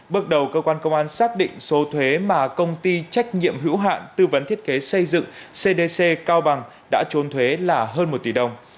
bước đầu cơ quan công an xác định số thuế mà công ty trách nhiệm hữu hạn tư vấn thiết kế xây dựng cdc cao bằng đã trốn thuế là hơn một tỷ đồng